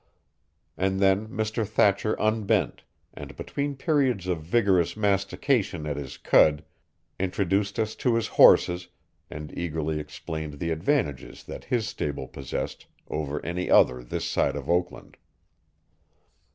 And then Mr. Thatcher unbent, and between periods of vigorous mastication at his cud, introduced us to his horses and eagerly explained the advantages that his stable possessed over any other this side of Oakland.